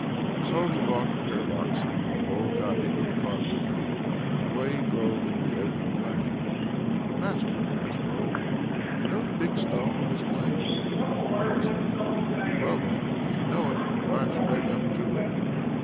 So he brought the pair of oxen, and Woe got into the cart with him, and away he drove into the open plain. "Master!" asks Woe, "do you know the big stone on this plain?" "Of course I do." "Well then if you know it, drive straight up to it."